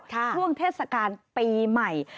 ช่วงเทศกาลปีใหม่